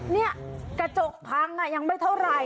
นี่กระจกพังยังไม่เท่าไหร่